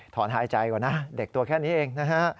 หายใจก่อนนะเด็กตัวแค่นี้เองนะฮะ